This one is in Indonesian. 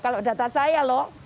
kalau data saya loh